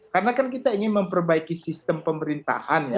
karena kan kita ingin memperbaiki sistem pemerintahan ya